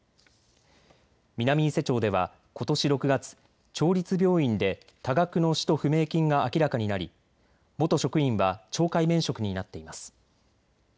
南伊勢町ではことし６月、町立病院で多額の使途不明金が明らかになり元職員は懲戒免職になっています。